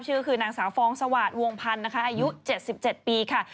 ชื่อคือนางสาวฟองสวาสวงพันธ์นะคะอายุ๗๗ปีค่ะ